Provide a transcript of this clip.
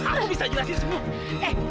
aku bisa jelasin semua